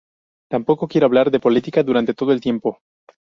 Tampoco quiero hablar de política durante todo el tiempo.